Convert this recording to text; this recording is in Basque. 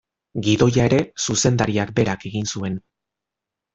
Gidoia ere, zuzendariak berak egin zuen.